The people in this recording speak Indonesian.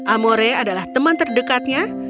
amore adalah teman terdekatnya